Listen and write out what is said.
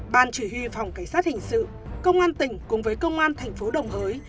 ban chủ yếu phòng cảnh sát hình sự công an tỉnh cùng với công an thành phố đồng hới